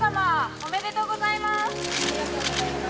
おめでとうございます！